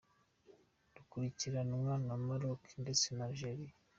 Rukurikirwa na Maroc ndetse na Algérie.